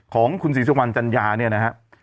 ของคุณศรีโจมันจัญญาเนี่ยนะฮะ